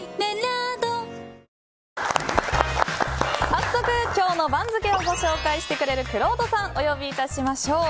早速、今日の番付をご紹介してくれるくろうとさんをお呼びしましょう。